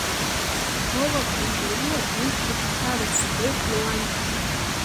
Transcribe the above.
Вова Канџьариа иӡбахә уҳәароуп, — иҳәеит Леуанти.